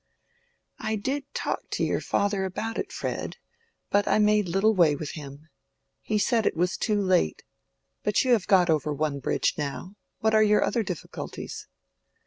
"I did talk to your father about it, Fred, but I made little way with him. He said it was too late. But you have got over one bridge now: what are your other difficulties?"